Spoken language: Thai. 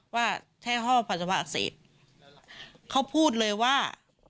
ว่าแท่ฮ่อพัฒนาภาคเศสเขาพูดเลยว่า